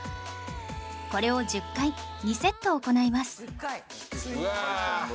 これを１０回２セット行います